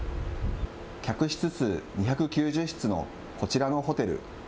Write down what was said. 客室数２９０室のこちらのホテル。